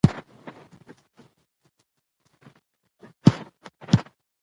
لوی اختر نماځل کېږي.